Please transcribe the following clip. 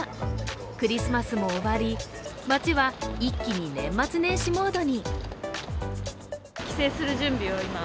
クリスマスも終わり、街は一気に年末年始モードに。